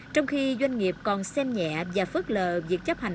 trong khi doanh nghiệp còn xem nhẹ và phớt lờ việc chấp hành